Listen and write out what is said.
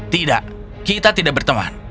tidak kita tidak berteman